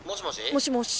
もしもし。